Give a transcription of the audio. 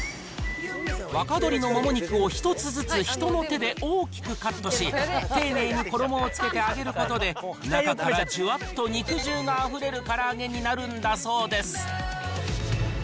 若鶏のもも肉を一つずつ人の手で大きくカットし、丁寧に衣をつけて揚げることで、中からじゅわっと肉汁があふれるから揚げになるんだそうです。